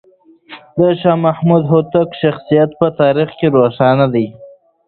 د شاه محمود هوتک شخصیت په تاریخ کې روښانه دی.